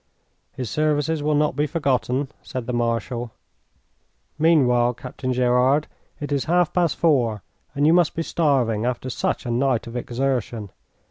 "His services will not be forgotten," said the Marshal. "Meanwhile, Captain Gerard, it is half past four, and you must be starving after such a night of exertion.